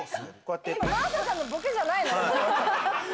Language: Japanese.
真麻さんのボケじゃないの？